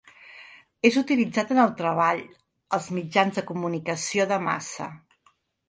És utilitzat en el treball, els mitjans de comunicació de massa.